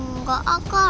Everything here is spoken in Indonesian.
nggak aka rafa takut